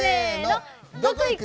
どこ行く？